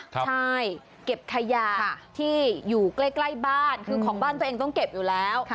ใช่เก็บขยะที่อยู่ใกล้บ้านคือของบ้านตัวเองต้องเก็บอยู่แล้ว